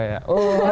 ibu yang cowok lah ya